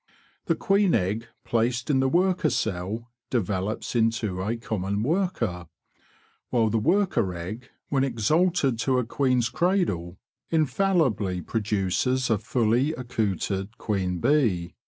The queen egg placed in the worker cell develops into a common worker, while the worker egg, when exalted to a queen's cradle, infallibly produces a fully accoutred queen bee.